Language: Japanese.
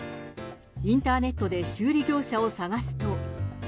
インターネットで修理業者を探すと。